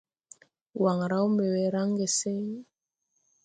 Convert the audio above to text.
Waŋ raw mbe we raŋge seŋ?